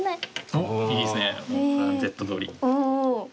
おっいいですねプランどおり。